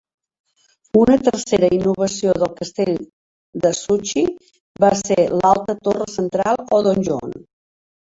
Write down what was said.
Una tercera innovació del castell d'Azuchi va ser l'alta torre central o "donjon".